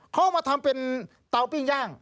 เขามาทำเป็นเตาปิ้งย่าง